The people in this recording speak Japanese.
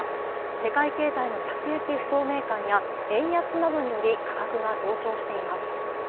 世界経済の先行き不透明感や円安などにより価格が上昇しています。